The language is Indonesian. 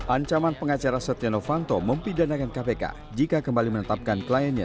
ancaman pengacara setia novanto mempidanakan kpk jika kembali menetapkan kliennya